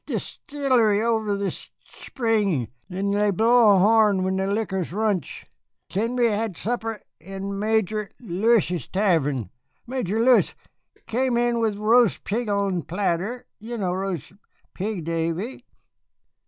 "'N'dishtillery over a shpring, 'n'they blow a horn when the liquor runsh. 'N'then we had supper in Major Lewish's tavern. Major Lewis came in with roast pig on platter. You know roast pig, Davy?...